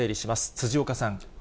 辻岡さん。